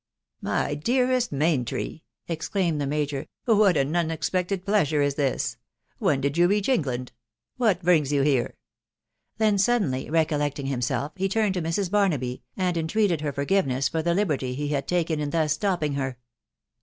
" My dearest Maintry !" exclaimed the major, " what an unexpected pleasure is this !.... When did you reach Eng land ?.... What brings you here ?.... Then, suddenly re collecting himself, he turned to Mrs. Barnaby, and entreated her forgiveness for the liberty he had taken in thus stopping her.